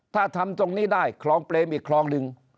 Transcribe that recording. ถ้าทำตรงนี้ได้คลองเปรมอีกคลองหนึ่ง